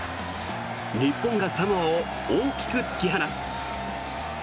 日本がサモアを大きく突き放す。